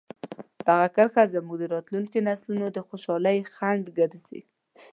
دغه کرښه زموږ د راتلونکي نسلونو د خوشحالۍ خنډ ګرځېدلې.